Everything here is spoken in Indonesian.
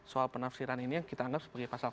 soal penafsiran ini yang kita anggap sebagai pasal